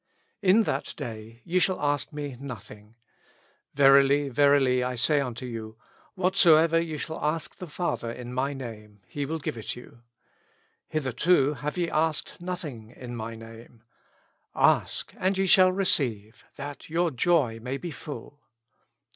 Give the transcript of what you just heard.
In that day ye shall ask me nothing. Verily, verily, I say unto y oil, Whatsoever ye shall ask the Father in my Name, He will give it you. Hitherto have ye asked nothing in my Name : ask, and ye shall receive, that your joy may be full.